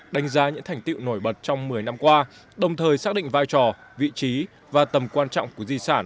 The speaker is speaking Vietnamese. đánh giá những thành tiệu nổi bật trong một mươi năm qua đồng thời xác định vai trò vị trí và tầm quan trọng của di sản